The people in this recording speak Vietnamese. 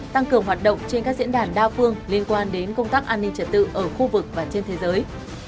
tăng cường hoạt động trên các diễn đàn đa phương liên quan đến công tác an ninh trật tự ở khu vực và trên thế giới